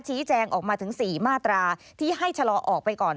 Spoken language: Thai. ชี้แจงออกมาถึง๔มาตราที่ให้ชะลอออกไปก่อน